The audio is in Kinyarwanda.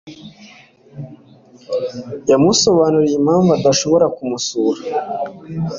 Yamusobanuriye impamvu adashobora kumusura.